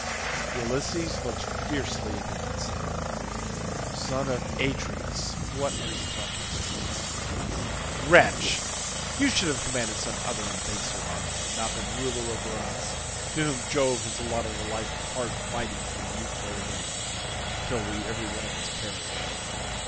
Ulysses looked fiercely at him and said, "Son of Atreus, what are you talking about? Wretch, you should have commanded some other and baser army, and not been ruler over us to whom Jove has allotted a life of hard fighting from youth to old age, till we every one of us perish.